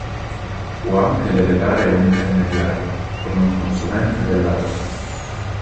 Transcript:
Può anche delegare un intermediario come un consulente del lavoro.